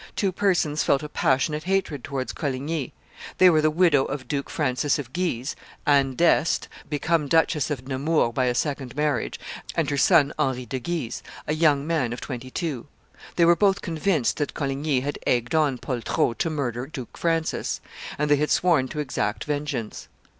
Two persons felt a passionate hatred towards Coligny; they were the widow of Duke Francis of Guise, Anne d'Este, become Duchess of Nemours by a second marriage, and her son Henry de Guise, a young man of twenty two. They were both convinced that Coligny had egged on Poltrot to murder Duke Francis, and they had sworn to exact vengeance.